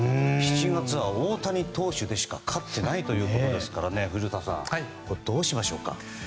７月は大谷投手でしか勝っていないということですから古田さん、どうしましょうか。